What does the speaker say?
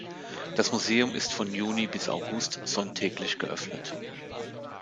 Das Museum ist von Juni bis August sonntäglich geöffnet.